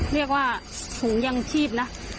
เรียกว่าถุงยังชีพนะ